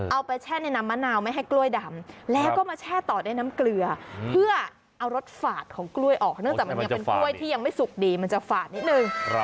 แช่ในน้ำมะนาวไม่ให้กล้วยดำแล้วก็มาแช่ต่อด้วยน้ำเกลือเพื่อเอารสฝาดของกล้วยออกเนื่องจากมันยังเป็นกล้วยที่ยังไม่สุกดีมันจะฝาดนิดนึง